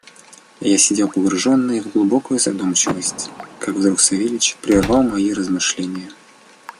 Я сидел погруженный в глубокую задумчивость, как вдруг Савельич прервал мои размышления.